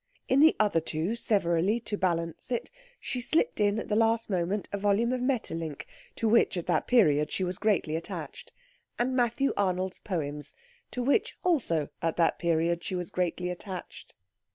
In the other two severally to balance it, she slipt at the last moment a volume of Maeterlinck, to which at that period she was greatly attached; and Matthew Arnold's poems, to which also at that period she was greatly attached.